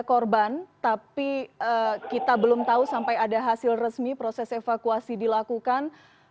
ada korban tapi kita belum tahu sampai ada hasil resmi proses evakuasi dilakukan